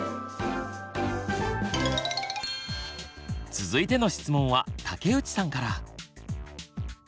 続いての質問は武内さんから。